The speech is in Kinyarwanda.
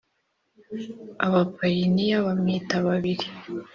abapayiniya babwite babiri